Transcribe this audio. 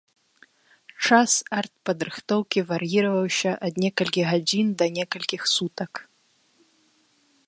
Час артпадрыхтоўкі вар'іраваўся ад некалькіх гадзін да некалькіх сутак.